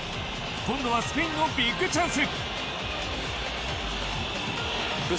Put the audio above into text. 今度はスペインのビッグチャンス。